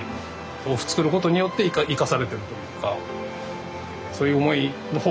豆腐作ることによって生かされてるというかそういう思いの方が強いです。